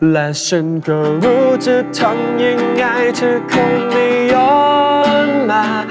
และฉันก็รู้จะทำยังไงเธอคงไม่ย้อนมา